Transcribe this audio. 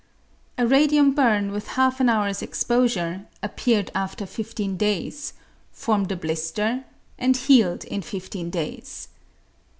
A radium burn with half an hour's exposure appeared after fifteen days, formed a blister and healed in fifteen days.